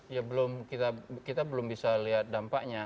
ya belum kita belum bisa lihat dampaknya